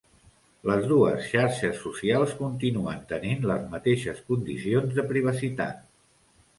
Les dues xarxes socials continuen tenint les mateixes condicions de privacitat